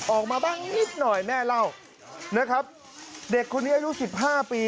ออกมาบ้างนิดหน่อยแม่เล่านะครับเด็กคนนี้อายุสิบห้าปี